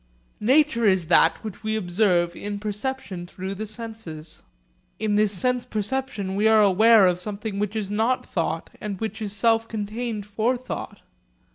Nature is that which we observe in perception through the senses. In this sense perception we are aware of something which is not thought and which is self contained for thought.